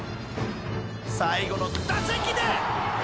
［最後の打席で］